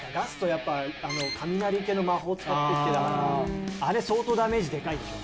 やっぱり雷系の魔法使ってきてたからあれ相当ダメージでかいでしょ。